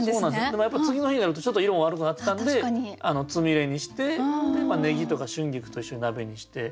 でもやっぱり次の日になるとちょっと色悪くなってたんでつみれにしてネギとか春菊と一緒に鍋にして。